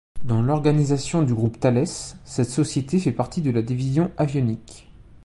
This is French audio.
Dans l'organisation du groupe Thales, cette société fait partie de la Division Avionique.